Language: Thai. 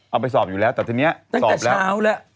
เอาไปสอบอยู่แล้วแต่ทีนี้สอบแล้วเอาแล้ว